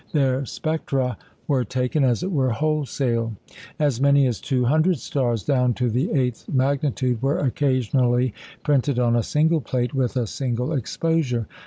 Their spectra were taken, as it were, wholesale. As many as two hundred stars down to the eighth magnitude were occasionally printed on a single plate with a single exposure.